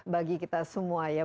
bagi kita semua